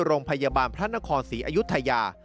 โรงพยาบาลพระนครศรีอยุธยา